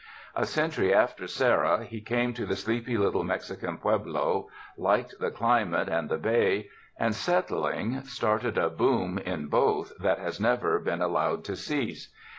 A century after Serra, he came to the sleepy little Mexican pueblo, liked the climate and the bay, and settling, started a "boom" in both that has never been allowed to cease.